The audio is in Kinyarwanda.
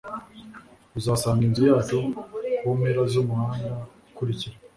uzasanga inzu yacu kumpera yumuhanda ukurikira